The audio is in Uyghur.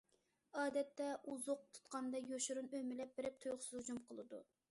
ئادەتتە ئوزۇق تۇتقاندا يوشۇرۇن ئۆمىلەپ بېرىپ تۇيۇقسىز ھۇجۇم قىلىدۇ.